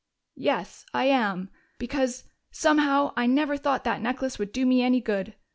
"Yes, I am. Because, somehow, I never thought that necklace would do me any good.